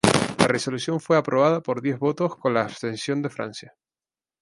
La resolución fue aprobada por diez votos con la abstención de Francia.